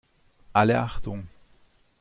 Alle Achtung!